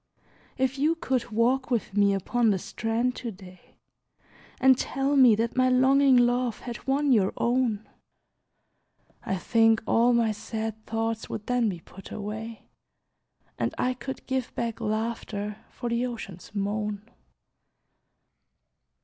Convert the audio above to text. If you could walk with me upon the strand to day, And tell me that my longing love had won your own, I think all my sad thoughts would then be put away, And I could give back laughter for the Ocean's moan!